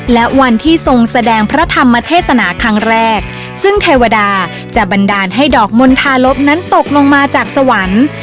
และวันที่ทรงแสดงพระธรรมเทศนาครั้งแรกซึ่งเทวดาจะบันดาลให้ดอกมณฑาลบนั้นตกลงมาจากสวรรค์